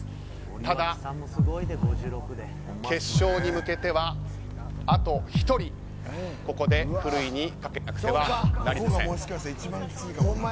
ただ、決勝に向けてはあと１人ここで、ふるいにかけなくてはなりません。